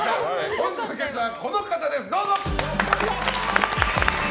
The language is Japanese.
本日のゲストはこの方です！